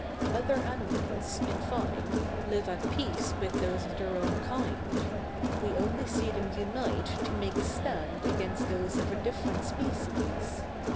Other animals, in fine, live at peace with those of their own kind; we only see them unite to make a stand against those of a different species.